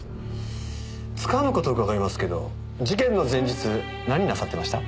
つかぬ事伺いますけど事件の前日何なさってました？